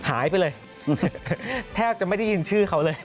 หายไปเลยแทบจะไม่ได้ยินชื่อเขาเลย